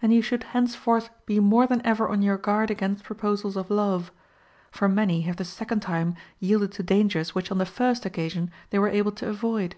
And you should henceforth be more than ever on your guard against proposals of love; for many have the second time yielded to dangers which on the first occasion they were able to avoid.